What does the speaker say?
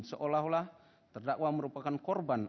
seolah olah terdakwa merupakan korban